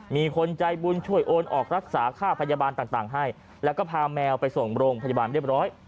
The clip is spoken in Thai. มีคนใจบุญช่วยโอนออกรักษาค่าพยาบาลต่างให้แล้วก็พาแมวไปส่งโรงพยาบาลเรียบร้อย